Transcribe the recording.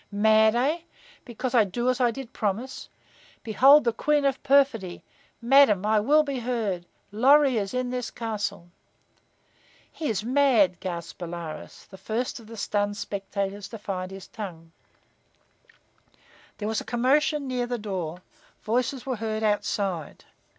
"Mad, eh? Because I do as I did promise? Behold the queen of perfidy! Madam, I will be heard. Lorry is in this castle!" "He is mad!" gasped Bolaroz, the first of the stunned spectators to find his tongue. There was a commotion near the door. Voices were heard outside.